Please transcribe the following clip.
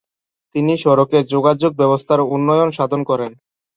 তিনি সড়কে, যোগাযোগ ব্যবস্থার উন্নয়ন সাধন করেন।